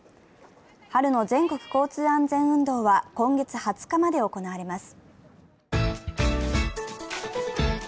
春の全国交通安全運動は今月２０日まで行われます。